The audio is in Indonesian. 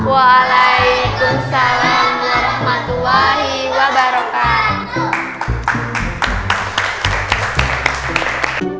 waalaikumsalam warahmatullahi wabarakatuh